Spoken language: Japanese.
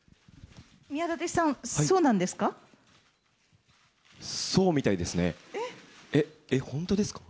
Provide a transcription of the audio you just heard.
宮舘さん、そうなんですか？